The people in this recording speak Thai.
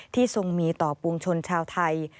ทรงมีต่อปวงชนชาวไทย